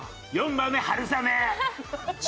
４番目春雨！